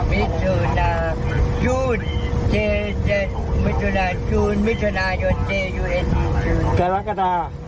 มิชุนา